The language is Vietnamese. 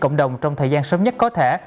cộng đồng trong thời gian sớm nhất có thể